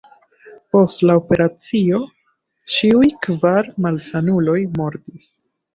Post la operacio ĉiuj kvar malsanuloj mortis.